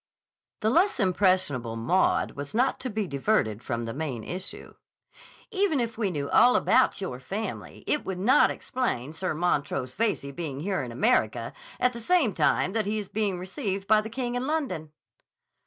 The less impressionable Maud was not to be diverted from the main issue. "Even if we knew all about your family, it would not explain Sir Montrose Veyze being here in America at the same time that he is being received by the King in London."